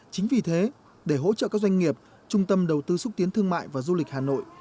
chính vì thế để hỗ trợ các doanh nghiệp trung tâm đầu tư xúc tiến thương mại và du lịch hà nội